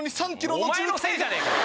お前のせいじゃねえかよ！